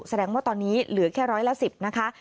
แสดงว่าตอนนี้เหลือแค่ร้อยละ๑๐นะคะ